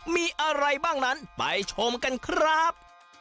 มีอะไรบ้างนั้นไปชมกันครับ